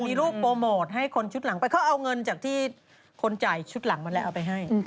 มีรูปโปรโมทให้คนชุดหลังไปเขาเอาเงินจากที่คนจ่ายชุดหลังมาแล้วเอาไปให้